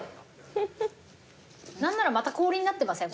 何ならまた氷になってません？